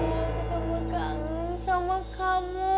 aku tambah kangen sama kamu